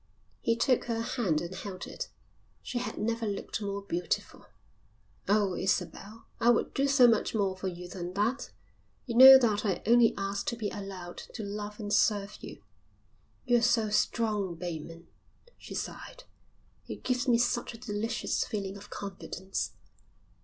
He took her hand and held it. She had never looked more beautiful. "Oh, Isabel, I would do so much more for you than that. You know that I only ask to be allowed to love and serve you." "You're so strong, Bateman," she sighed. "It gives me such a delicious feeling of confidence."